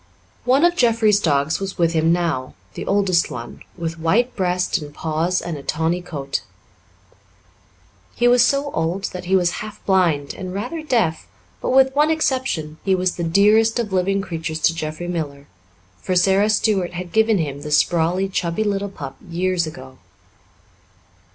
One of Jeffrey's dogs was with him now the oldest one, with white breast and paws and a tawny coat. He was so old that he was half blind and rather deaf, but, with one exception, he was the dearest of living creatures to Jeffrey Miller, for Sara Stuart had given him the sprawly, chubby little pup years ago.